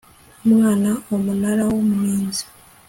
umwana umunara w umurinzi